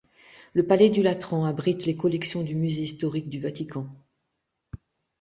Le palais du Latran abrite les collections du Musée historique du Vatican.